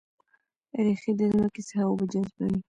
ریښې د ځمکې څخه اوبه جذبوي